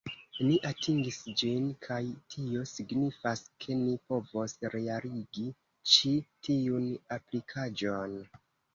Ni atingis ĝin, kaj tio signifas ke ni povos realigi ĉi tiun aplikaĵon